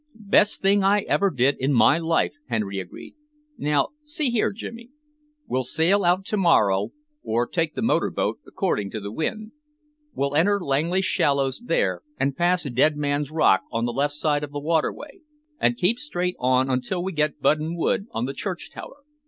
"Best thing I ever did in my life," Sir Henry agreed. "Now see here, Jimmy. We'll sail out tomorrow, or take the motor boat, according to the wind. We'll enter Langley Shallows there and pass Dead Man's Rock on the left side of the waterway, and keep straight on until we get Budden Wood on the church tower.